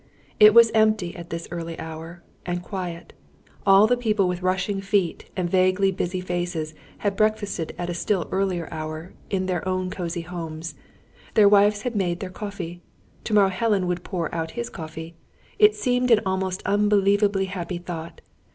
It was empty at this early hour, and quiet. All the people with rushing feet and vaguely busy faces had breakfasted at a still earlier hour, in their own cosy homes. Their wives had made their coffee. To morrow Helen would pour out his coffee. It seemed an almost unbelievably happy thought.